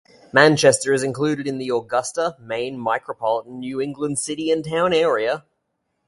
Manchester is included in the Augusta, Maine micropolitan New England City and Town Area.